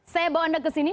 saya bawa anda ke sini